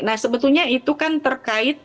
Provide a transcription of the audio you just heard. nah sebetulnya itu kan terkait